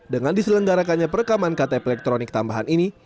dengan diselenggarakannya perekaman ktp elektronik tambahan ini